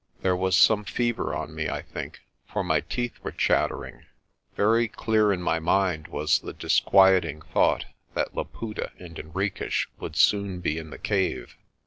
There was some fever on me, I think, for my teeth were chattering. Very clear in my mind was the disquieting thought that Laputa and Henriques would soon be in the cave.